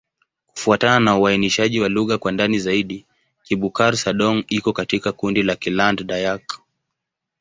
Kufuatana na uainishaji wa lugha kwa ndani zaidi, Kibukar-Sadong iko katika kundi la Kiland-Dayak.